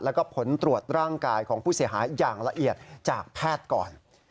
แล้วก็ผลตรวจร่างกายของผู้เสียหายอย่างละเอียดจากแพทย์ก่อน